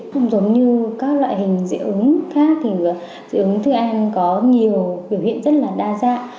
không giống như các loại hình dị ứng khác thì dị ứng thức ăn có nhiều biểu hiện rất là đa dạng